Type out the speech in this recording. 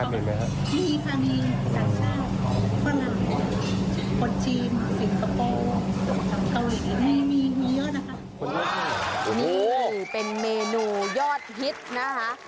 นี่เป็นเมนูยอดฮิตนะคะ